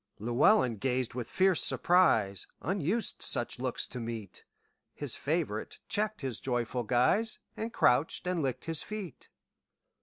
Llewelyn gazed with fierce surprise; Unused such looks to meet, His favorite checked his joyful guise, And crouched and licked his feet.